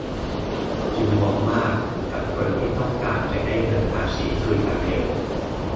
จึงเหมาะมากกับคนที่ต้องการจะได้เงินภาษีคืนแบบเร็ว